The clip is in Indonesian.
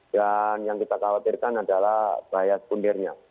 dan yang kita khawatirkan adalah bahaya sekundirnya